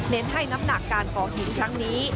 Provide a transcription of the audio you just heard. ให้น้ำหนักการก่อเหตุครั้งนี้